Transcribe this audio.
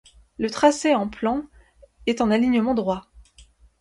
Le tracé en plan est en alignement droit.